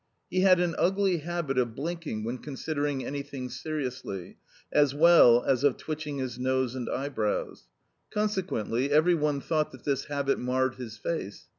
He had an ugly habit of blinking when considering anything seriously, as well as of twitching his nose and eyebrows. Consequently every one thought that this habit marred his face.